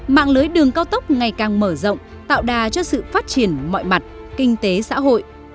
mạng lưới đường cao tốc ngày càng mở rộng tạo đà cho sự phát triển mọi mặt kinh tế xã hội